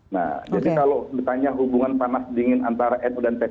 nah jadi kalau ditanya hubungan panas dingin antara nu dan pkb